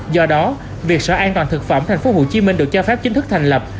do đó việc sở an toàn thực phẩm tp hcm được cho phép chính thức thành lập